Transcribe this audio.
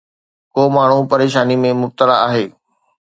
ڪو ماڻهو پريشاني ۾ مبتلا آهي